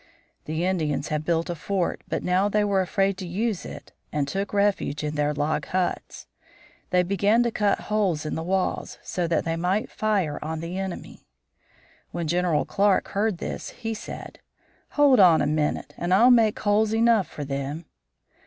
The Indians had built a fort, but now they were afraid to use it and took refuge in their log huts. They began to cut holes in the walls, so that they might fire on the enemy. When General Clark heard this, he said: "Hold on a minute, and I'll make holes enough for them."